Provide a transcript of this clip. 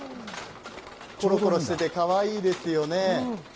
ころころしててかわいいですよね。